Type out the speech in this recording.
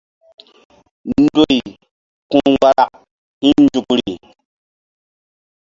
Ndoy ku̧ mgbarak hi̧ nzukri.